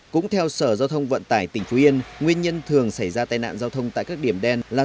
cũng theo sở giao thông vận tải tỉnh phú yên nguyên nhân thường xảy ra tai nạn giao thông tại các điểm đen là